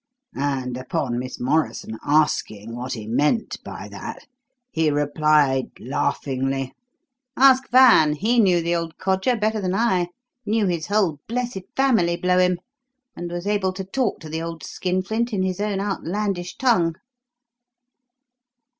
And upon Miss Morrison asking what he meant by that, he replied, laughingly: 'Ask Van, he knew the old codger better than I knew his whole blessed family, blow him! and was able to talk to the old skinflint in his own outlandish tongue.'